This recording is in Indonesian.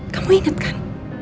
kamu ingat kan